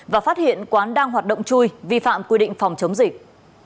và phát hiện quán đang hoạt động chui vi phạm quy định phòng chống dịch